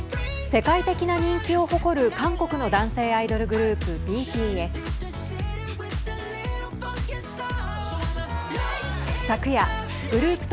世界的な人気を誇る韓国の男性アイドルグループＢＴＳ。